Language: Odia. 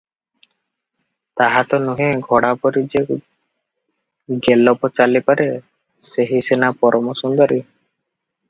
ତାହା ତ ନୁହେଁ, ଘୋଡ଼ାପରି ଯେ 'ଗେଲପ ଚାଲିପାରେ, ସେହି ସିନା ପରମ ସୁନ୍ଦରୀ!